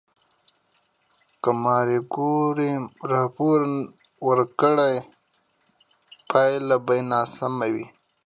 که ماري کوري راپور نه ورکړي، پایله به ناسم وي.